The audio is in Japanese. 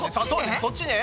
そっちね。